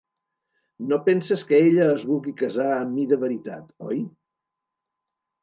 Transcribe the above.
No penses que ella es vulgui casar amb mi de veritat, oi?